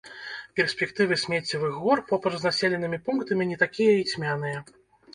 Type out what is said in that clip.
Перспектывы смеццевых гор побач з населенымі пунктамі не такія і цьмяныя.